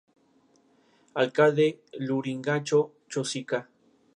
Lorenzo parte a París y Franco continua como subcomisario.